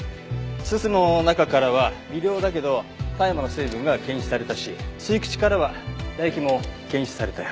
煤の中からは微量だけど大麻の成分が検出されたし吸い口からは唾液も検出されたよ。